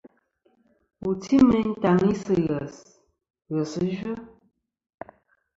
Wù ti meyn tàŋi sɨ̂ ghès, ghèsɨ yvɨ.